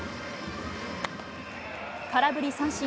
空振り三振。